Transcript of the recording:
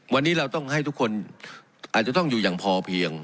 วันนี้เราต้องให้ทุกคนอาจจะต้องอยู่อย่างพอเพียง